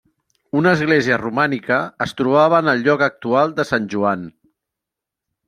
Una església romànica es trobava en el lloc actual de Sant Joan.